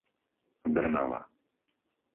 Drnava